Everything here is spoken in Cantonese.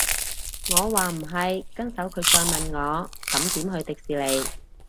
我話唔係，跟手佢再問我咁點去迪士尼